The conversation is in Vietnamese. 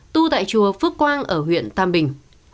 tu tại chùa phước quang ở huyện tam bình